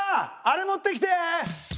あれ持ってきて！